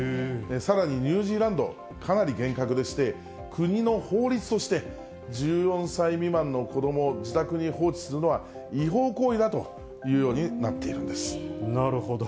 さらにニュージーランド、かなり厳格でして、国の法律として、１４歳未満の子どもを自宅に放置するのは違法行為だというようになるほど。